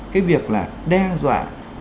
cái việc là đe dọa